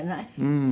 うん。